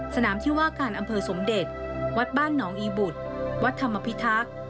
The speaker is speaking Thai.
สนามที่ว่าการอำเภอสมเด็จวัดบ้านหนองอีบุตรวัดธรรมพิทักษ์